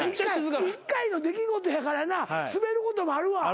１回の出来事やからなスベることもあるわ。